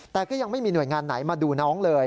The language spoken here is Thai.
แต่ก็ยังไม่มีหน่วยงานไหนมาดูน้องเลย